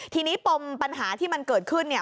ทีนี้ปมปัญหาที่มันเกิดขึ้นเนี่ย